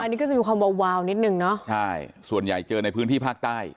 อันนี้ก็จะมีความวาวาวนิดนึงเนอะใช่ส่วนใหญ่เจอในพื้นที่ภาคใต้